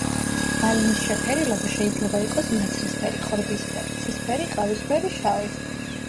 ბალნის შეფერილობა შეიძლება იყოს ნაცრისფერი, ხორბლისფერი, ცისფერი, ყავისფერი, შავი.